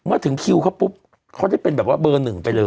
ถึงคิวเขาปุ๊บเขาได้เป็นแบบว่าเบอร์หนึ่งไปเลย